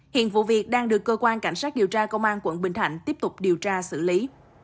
hiện vụ việc đang được cơ quan cảnh sát điều tra công an quận bình thạnh tiếp tục điều tra xử lý